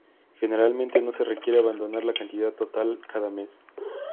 Generalmente no se requiere abonar la cantidad total cada mes.